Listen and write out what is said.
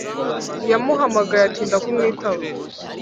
yamuhamagaye atinda kumwitaba